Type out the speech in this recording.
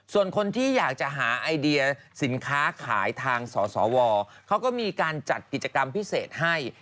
ส่วนคนที่อยากจะหาไอเดียสินค้าขายทางสสวเขาก็มีการจัดกิจกรรมพิเศษให้